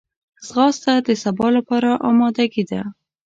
ځغاسته د سبا لپاره آمادګي ده